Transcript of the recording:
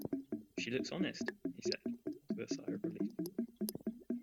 "She looks honest," he said, with a sigh of relief.